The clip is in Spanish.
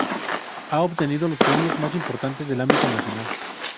Ha obtenido los premios más importantes del ámbito nacional.